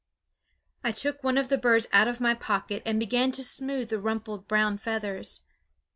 I took one of the birds out of my pocket and began to smooth the rumpled brown feathers.